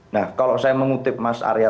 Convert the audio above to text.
nah kalau saya mengutip mas arya